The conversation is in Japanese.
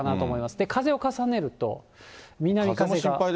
で、風を重ねると、南風が。